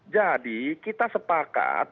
jadi kita sepakat